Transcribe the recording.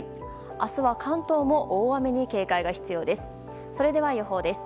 明日は、関東も大雨に警戒が必要です。